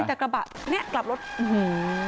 ใช่แต่กระบะนี่กลับรถอื้อหู